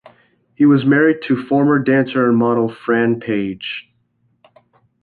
He was married to former dancer and model, Fran Page.